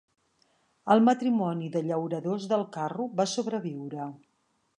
El matrimoni de llauradors del carro va sobreviure.